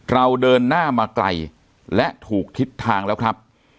เราเดินหน้ามาไกลและถูกทิศทางแล้วครับ